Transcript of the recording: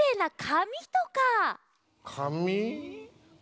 かみ。